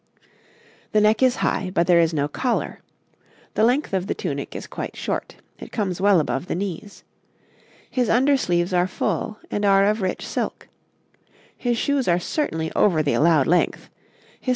The neck is high, but there is no collar. The length of the tunic is quite short; it comes well above the knees. His under sleeves are full, and are of rich silk; his shoes are certainly over the allowed length; his tights are well cut.